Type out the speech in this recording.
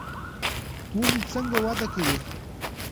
ونې څنګه وده کوي؟